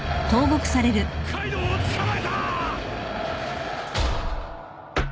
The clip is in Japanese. カイドウを捕まえた！